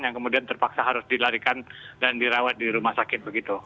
yang kemudian terpaksa harus dilarikan dan dirawat di rumah sakit begitu